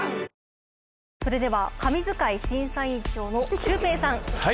それでは神図解審査委員長のシュウペイさん。